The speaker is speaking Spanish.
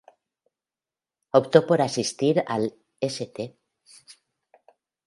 Optó por asistir al St.